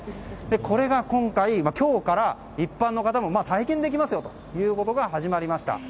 これが今回、今日から一般の方も体験できますよということが始まりました。